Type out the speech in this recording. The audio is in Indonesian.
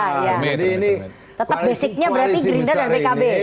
tetap basicnya berarti gerindra dan pkb